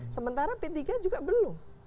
sementara p tiga juga belum